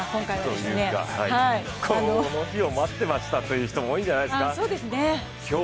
この日を待ってましたという人も多いんじゃないですか。